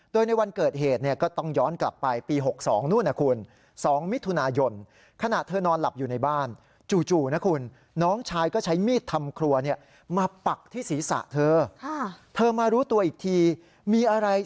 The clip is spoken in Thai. โดยในวันเกิดเหตุก็ต้องย้อนกลับไปปี๖๒นู่นน่ะคุณ